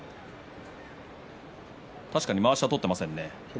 確かにまわしを取っていませんね。